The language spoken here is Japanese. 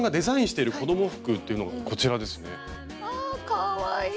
かわいい。